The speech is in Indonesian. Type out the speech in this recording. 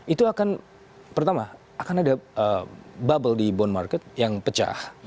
itu akan pertama akan ada bubble di bond market yang pecah